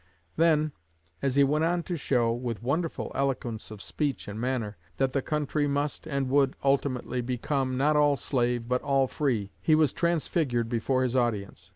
Then, as he went on to show, with wonderful eloquence of speech and of manner, that the country must and would ultimately become, not all slave, but all free, he was transfigured before his audience.